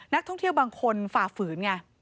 นักท่องเที่ยวบางคนฝ่าฝืนไง